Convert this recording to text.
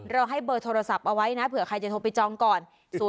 ให้เบอร์โทรศัพท์เอาไว้นะเผื่อใครจะโทรไปจองก่อน